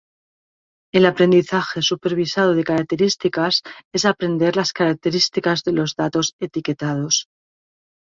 El aprendizaje supervisado de características es aprender las características de los datos etiquetados.